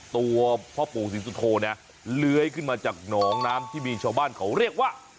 ตัวพ่อปู่ศรีสุโธเนี่ยเลื้อยขึ้นมาจากหนองน้ำที่มีชาวบ้านเขาเรียกว่า